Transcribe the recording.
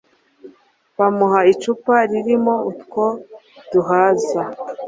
Bamuha icupa ririmo utwo duhaza